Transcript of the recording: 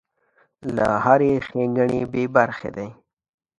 له هرې ښېګڼې بې برخې دی.